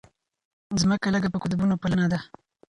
ځمکه لږه په قطبونو پلنه ده.